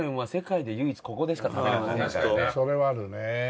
それはあるね。